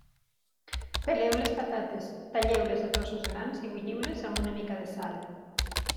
Peleu les patates, talleu-les a trossos grans i bulliu-les amb una mica de sal.